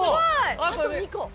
あと２個。